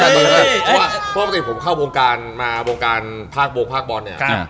เพราะว่าปกติผมเข้าวงการมาวงการภาควงภาคบอลเนี่ย